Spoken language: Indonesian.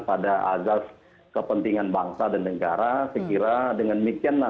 sehingga kemudian dia akan berpikir bahwa ibu ibu ini harus bisa berpikir bahwa